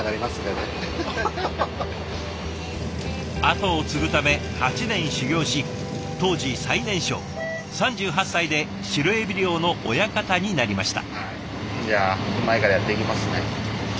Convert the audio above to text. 後を継ぐため８年修業し当時最年少３８歳でシロエビ漁の親方になりました。